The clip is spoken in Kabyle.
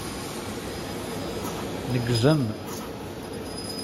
Neggzen.